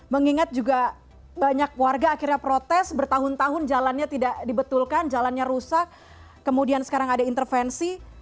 mengingat juga banyak warga akhirnya protes bertahun tahun jalannya tidak dibetulkan jalannya rusak kemudian sekarang ada intervensi